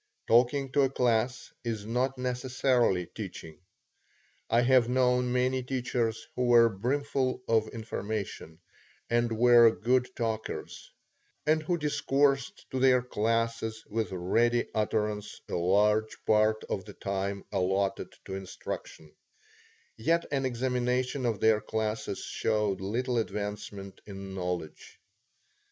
Talking to a class is not necessarily teaching. I have known many teachers who were brimful of information, and were good talkers, and who discoursed to their classes with ready utterance a large part of the time allotted to instruction; yet an examination of their classes showed little advancement in knowledge.